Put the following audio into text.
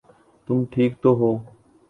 تم ٹھیک تو ہو؟